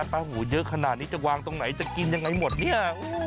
หูเยอะขนาดนี้จะวางตรงไหนจะกินยังไงหมดเนี่ย